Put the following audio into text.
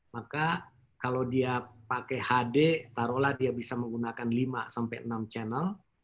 maka kalau dia pakai hd taruhlah dia bisa menggunakan lima sampai enam channel